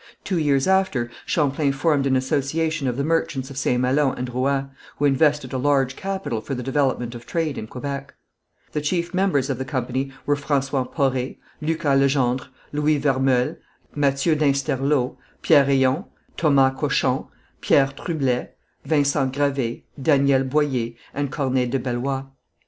Two years after, Champlain formed an association of the merchants of St. Malo and Rouen, who invested a large capital for the development of trade in Quebec. The chief members of the company were François Porrée, Lucas Legendre, Louis Vermeulle, Mathieu d'Insterlo, Pierre Eon, Thomas Cochon, Pierre Trublet, Vincent Gravé, Daniel Boyer and Corneille de Bellois.